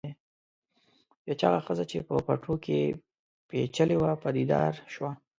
یوه چاغه ښځه چې په پټو کې پیچلې وه پدیدار شوه.